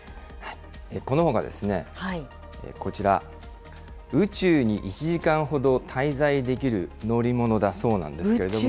このほか、こちら、宇宙に１時間ほど滞在できる乗り物だそうなんですけれども。